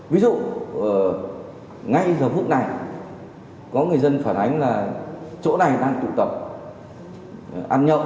ví dụ ngay giờ phút này có người dân phản ánh là chỗ này đang tụ tập ăn nhậu